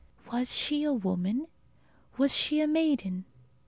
Was she a woman? Was she a maiden?